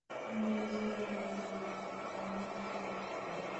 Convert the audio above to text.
মেজোরানী বলেলেন, ওমা, শোনো একবার!